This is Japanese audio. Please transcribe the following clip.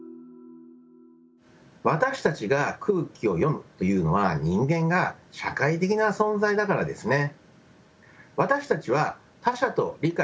私たちが「空気を読む」というのは人間が社会的な存在だからですね。